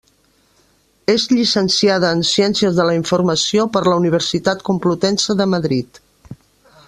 És llicenciada en ciències de la informació per la Universitat Complutense de Madrid.